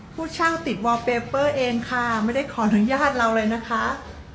ผู้เช่าติดเองค่ะไม่ได้ขออนุญาตเราเลยนะคะ